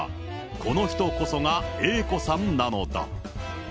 この人こそがＡ子さんなのだ。